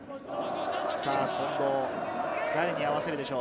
誰に合わせるでしょう。